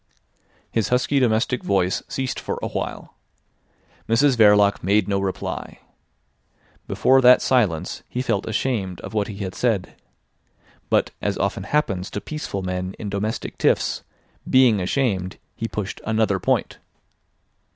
..." His husky domestic voice ceased for a while. Mrs Verloc made no reply. Before that silence he felt ashamed of what he had said. But as often happens to peaceful men in domestic tiffs, being ashamed he pushed another point.